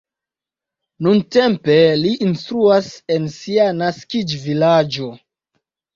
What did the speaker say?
Nuntempe li instruas en sia naskiĝvilaĝo.